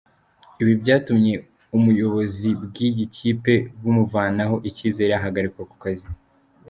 Ibi byatumye ubuyobozi bw’iyi kipe bumuvanaho icyizere ahagarikwa ku kazi.